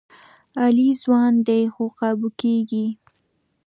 علي ځوان دی، خو قابو کېږي.